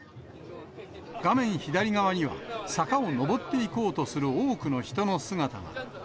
画面左側には坂を上っていこうとする多くの人の姿が。